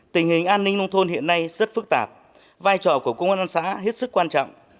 tình hình an ninh nông thôn hiện nay rất phức tạp vai trò của công an xã hết sức quan trọng